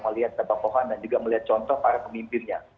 jadi saya akan mencoba untuk melihat contoh contohnya